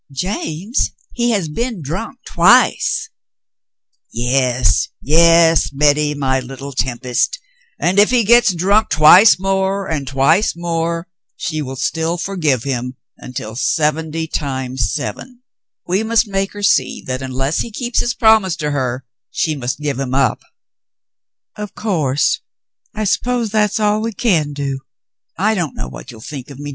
"James, he has been drunk twice !" "Yes, yes, Betty, my Httle tempest, and if he gets drunk twice more, and twice more, she will still forgive him until seventy times seven. We must make her see that unless he keeps his promise to her, she must give him up." "Of course. I suppose that's all we can do. I — don't know what you'll think of me.